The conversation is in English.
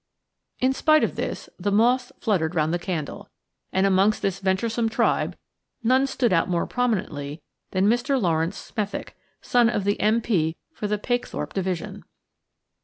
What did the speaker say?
In spite of this the moths fluttered round the candle, and amongst this venturesome tribe none stood out more prominently than Mr. Laurence Smethick, son of the M.P. for the Pakethorpe division.